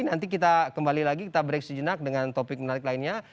nanti kita kembali lagi kita break sejenak dengan topik menarik lainnya